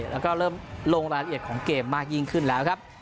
แล้วก็เริ่มลงรายละเอียดของเกมมากยิ่งขึ้นแล้วครับ